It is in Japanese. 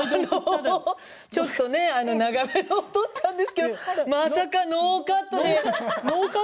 ちょっとね、長めのを撮ったんですけどまさかノーカットで。